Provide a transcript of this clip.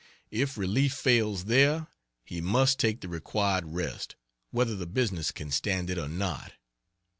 If relief fails there, he must take the required rest, whether the business can stand it or not.